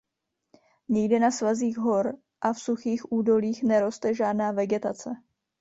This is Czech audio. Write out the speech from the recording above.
Nikde na svazích hor a v suchých údolích neroste žádná vegetace.